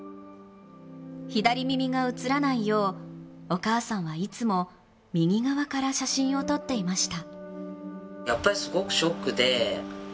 左耳が写らないよう、お母さんはいつも右側から写真を撮っていました。